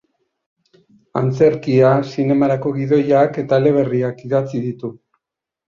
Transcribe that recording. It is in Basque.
Antzerkia, zinemarako gidoiak eta eleberriak idatzi ditu.